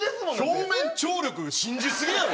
表面張力信じすぎやろ。